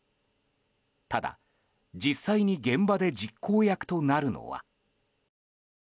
ただ、実際に現場で実行役となるのは。